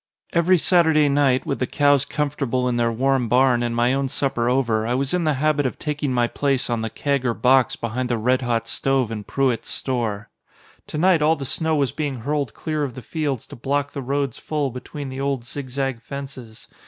Every Saturday night, with the cows comfortable in their warm barn, and my own supper over, I was in the habit of taking my place on the keg or box behind the red hot stove in Pruett's store. To night all the snow was being hurled clear of the fields to block the roads full between the old, zigzag fences.